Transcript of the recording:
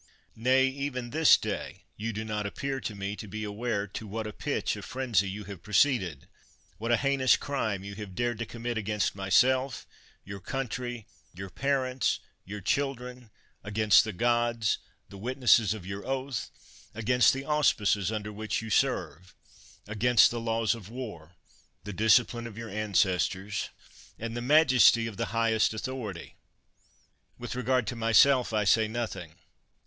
Nay, even this day you do not appear to me to be aware to what a pitch of frenzy you have proceeded ; what a heinous crime you have dared to commit against myself, your country, your parents, your children; against the gods, the witnesses of your oath; against the auspices under which you serve ; against the laws of war, the discipline of your ancestors, and the majesty of the highest authority. With regard to my self, I say nothing.